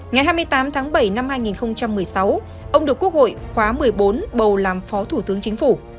ngày hai mươi tám tháng bảy năm hai nghìn một mươi sáu ông được quốc hội khóa một mươi bốn bầu làm phó thủ tướng chính phủ